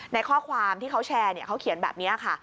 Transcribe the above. ในข้อความที่เขาแชร์เขาเขียนแบบนี้ค่ะ